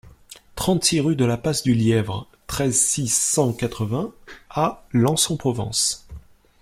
trente-six rue de la Passe du Lièvre, treize, six cent quatre-vingts à Lançon-Provence